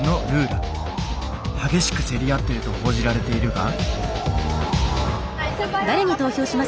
激しく競り合っていると報じられているが。